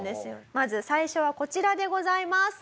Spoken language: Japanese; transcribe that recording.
まず最初はこちらでございます。